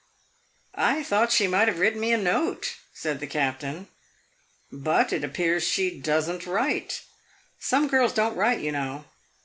"I thought she might have written me a note," said the Captain; "but it appears she does n't write. Some girls don't write, you know."